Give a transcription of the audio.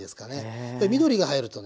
緑が映えるとね